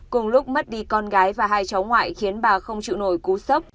cùng lúc mất đi con gái và hai cháu ngoại khiến bà không chịu nổi cú sốc